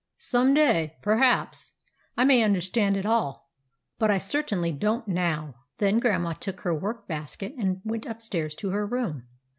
Some day, per haps, I may understand it all ; but I certainly don't now." Then Grandma took her work basket and went upstairs to her room.